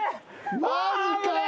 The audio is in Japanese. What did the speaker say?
マジかよ。